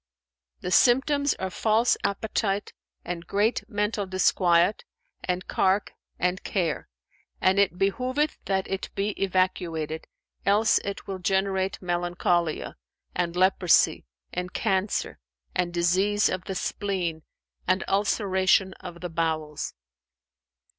"The symptoms are false appetite and great mental disquiet and cark and care; and it behoveth that it be evacuated, else it will generate melancholia[FN#402] and leprosy and cancer and disease of the spleen and ulceration of the bowels."